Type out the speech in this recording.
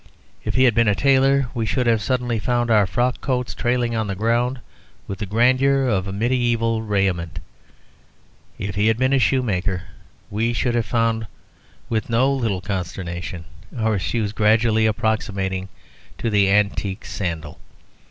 If he had been a tailor, we should have suddenly found our frock coats trailing on the ground with the grandeur of mediæval raiment. If he had been a shoemaker, we should have found, with no little consternation, our shoes gradually approximating to the antique sandal.